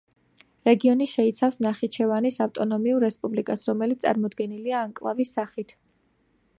რეგიონი შეიცავს ნახიჩევანის ავტონომიურ რესპუბლიკას, რომელიც წარმოდგენილია ანკლავის სახით.